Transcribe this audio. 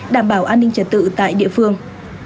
đảm bảo an ninh trật tự tại địa phương